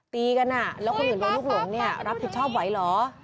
ตีกันอ่ะแล้วคนอื่นโรงลุกหลวงรับผิดชอบไหวเหรอ